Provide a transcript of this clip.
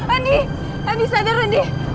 andi andi sadar andi